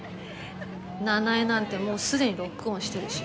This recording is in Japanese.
奈々江なんてもうすでにロックオンしてるし。